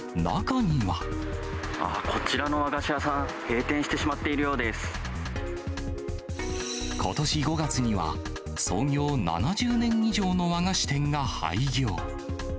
ああ、こちらの和菓子屋さん、ことし５月には、創業７０年以上の和菓子店が廃業。